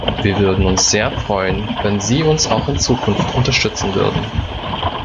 Wir würden uns sehr freuen, wenn Sie uns auch in Zukunft unterstützen würden.